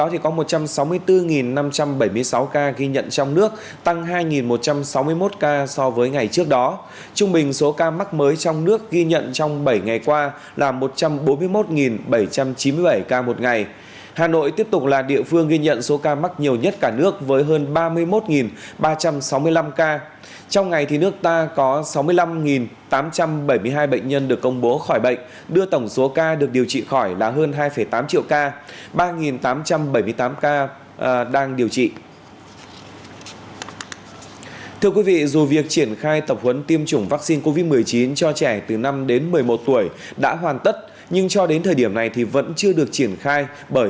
thì nước ta ghi nhận một trăm sáu mươi bốn năm trăm chín mươi sáu ca mắc covid một mươi chín mới